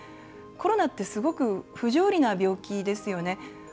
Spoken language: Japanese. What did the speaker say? コロナってすごく不条理な病気ですよね。